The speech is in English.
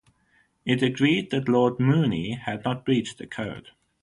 It agreed that Lord Moonie had not breached the code.